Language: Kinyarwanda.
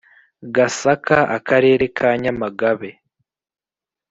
Gasaka Akarere ka Nyamagabe